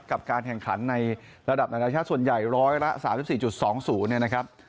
กับการแข่งขันในระดับนานาชาติส่วนใหญ่๑๓๔๒๐เนี่ยนะครับ